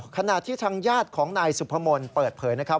ขณะที่ทางญาติของนายสุพมนต์เปิดเผยนะครับ